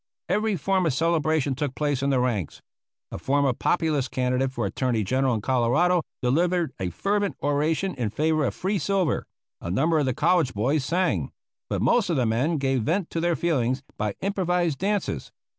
Every form of celebration took place in the ranks. A former Populist candidate for Attorney General in Colorado delivered a fervent oration in favor of free silver; a number of the college boys sang; but most of the men gave vent to their feelings by improvised dances.